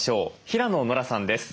平野ノラさんです。